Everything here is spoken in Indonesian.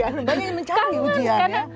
banyak yang mencari ujian ya